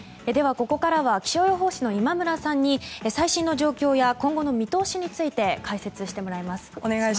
ここからは気象予報士の今村さんに最新の状況や今後の見通しについて解説してもらいます。